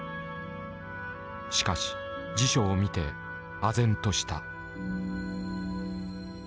しかし辞書を見てあぜんとした。